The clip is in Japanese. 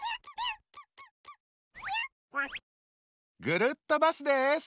ぐるっとバスです。